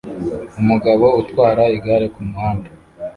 Umugabo utwara igare kumuhanda